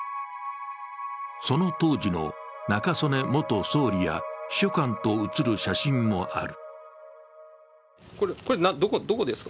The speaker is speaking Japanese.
その当時の中曽根元総理や秘書官と写る写真もある。